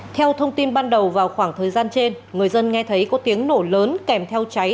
theo thông tin ban đầu vào khoảng thời gian trên người dân nghe thấy có tiếng nổ lớn kèm theo cháy